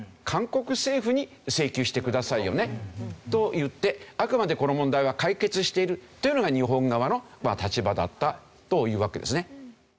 韓国政府に請求してくださいよねといってあくまでこの問題は解決しているというのが日本側の立場だったというわけですね。